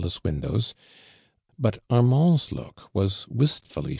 s windows, but Armands look was wistfully h.